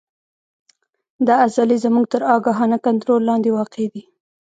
دا عضلې زموږ تر آګاهانه کنترول لاندې واقع دي.